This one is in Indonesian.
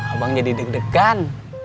abang jadi deg degan